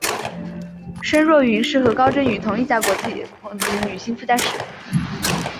申若云是和高振宇同一家国际航空公司的女性副驾驶。